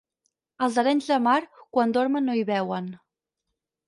Els d'Arenys de Mar, quan dormen no hi veuen.